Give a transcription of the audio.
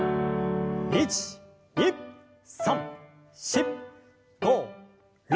１２３４５６７８。